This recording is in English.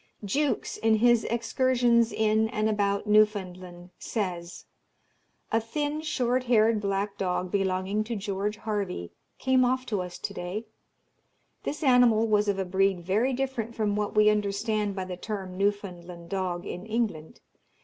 Jukes, in his "Excursions in and about Newfoundland," says, "A thin, short haired black dog, belonging to George Harvey, came off to us to day; this animal was of a breed very different from what we understand by the term Newfoundland dog in England.